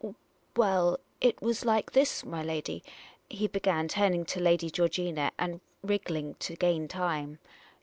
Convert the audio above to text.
" Well, it was like this, my lady," he began, turning to Lady Georgina, and wrig gling to gain time.